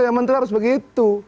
ya menterinya harus begitu